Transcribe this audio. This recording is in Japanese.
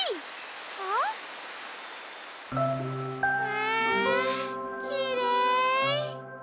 わきれい。